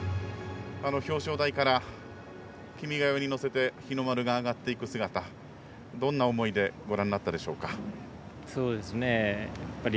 表彰台から、「君が代」に乗せて日の丸が揚がっていく姿どんな思いでご覧になったでしょうか？